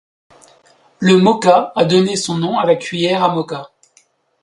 Le moka a donné son nom à la cuillère à moka.